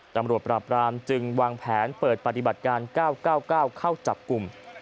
ตำรวจปราบรามจึงวางแผนเปิดปฏิบัติการ๙๙๙เข้าจับกลุ่ม